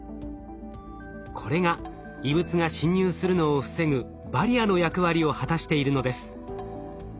これが異物が侵入するのを防ぐバリアの役割を果たしているのです。